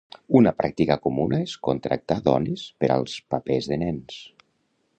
Una pràctica comuna és contractar dones per als papers de nens.